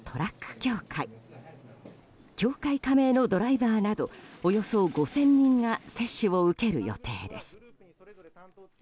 協会加盟のドライバーなどおよそ５０００人が接種を受ける予定です。